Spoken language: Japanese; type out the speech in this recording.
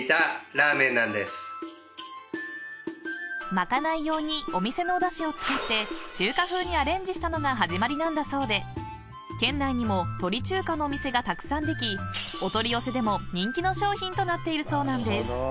［賄い用にお店のおダシを使って中華風にアレンジしたのが始まりなんだそうで県内にも鳥中華のお店がたくさんできお取り寄せでも人気の商品となっているそうなんです］